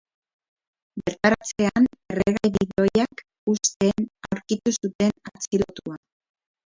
Bertaratzean, erregai-bidoiak husten aurkitu zuten atxilotua.